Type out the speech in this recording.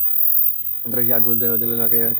তারা সেই আর্টগুলো দেয়ালে দেয়ালে লাগিয়ে রাখে।